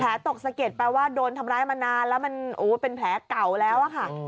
ตกสะเก็ดแปลว่าโดนทำร้ายมานานแล้วมันเป็นแผลเก่าแล้วอะค่ะ